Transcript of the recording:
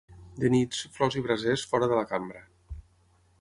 De nits, flors i brasers fora de la cambra.